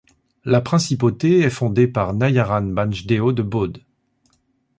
La principauté est fondée par Narayan Bhanj Deo de Baudh.